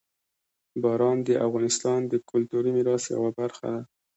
باران د افغانستان د کلتوري میراث یوه برخه ده.